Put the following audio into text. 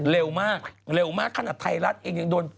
เร็วมากเร็วมากขนาดไทยรัฐเองยังโดน